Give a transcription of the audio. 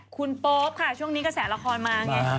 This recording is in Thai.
คุณโป๊ปค่ะช่วงนี้ก็แสดงละครมา